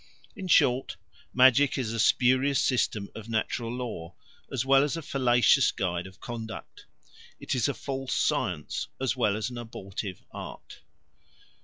In short, magic is a spurious system of natural law as well as a fallacious guide of conduct; it is a false science as well as an abortive art.